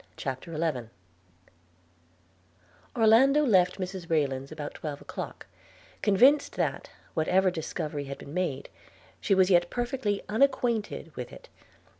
CHAPTER XI ORLANDO left Mrs Rayland about twelve o'clock, convinced that, whatever discovery had been made, she was yet perfectly unacquainted with it.